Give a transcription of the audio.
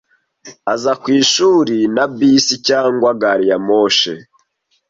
Aza ku ishuri na bisi cyangwa gari ya moshi.